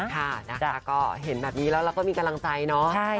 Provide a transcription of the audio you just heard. ค่ะนะคะก็เห็นแบบนี้แล้วเราก็มีกำลังใจเนาะ